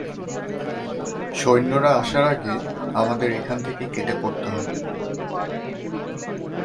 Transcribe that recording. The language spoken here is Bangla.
সৈন্যরা আসার আগে আমাদের এখান থেকে কেটে পড়তে হবে।